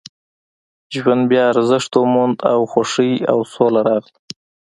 ژوند بیا ارزښت وموند او خوښۍ او سوله راغله